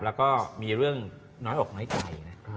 แล้วก็มีเรื่องน้อยอกน้อยใจนะ